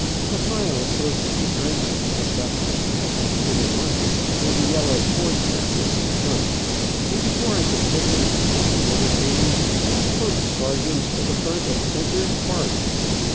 A file closer behind me picked up my hat and put it on me, with the yellow cord tassels in front, and before I could fix it, the order came, "First sergeants to the front and center, march."